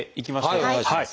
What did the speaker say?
はいお願いします。